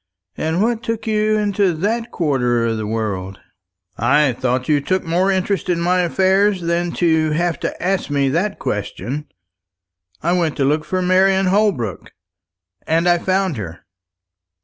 "And what took you into that quarter of the world?" "I thought you took more interest in my affairs than to have to ask that question. I went to look for Marian Holbrook, and I found her."